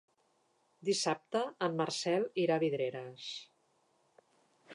Dissabte en Marcel irà a Vidreres.